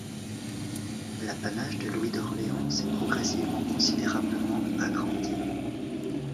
L'apanage de Louis d'Orléans s'est progressivement considérablement agrandi.